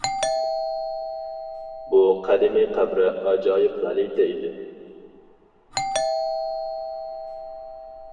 بۇ قەدىمى قەبرە ئاجايىپ غەلىتە ئىدى.